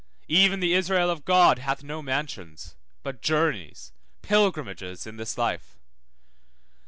Even the Israel of God hath no mansions, but journeys, pilgrimages in this life.